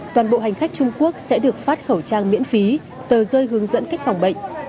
toàn bộ hành khách trung quốc sẽ được phát khẩu trang miễn phí tờ rơi hướng dẫn cách phòng bệnh